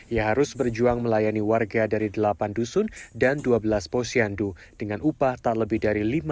ia harus berjuang melayani warga dari delapan dusun dan dua belas posyandu dengan upah tak lebih dari lima puluh